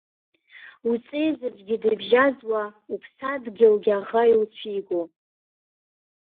Уҵеи заҵәгьы дыбжьаӡуа, уԥсадгьылгьы аӷа иуцәиго.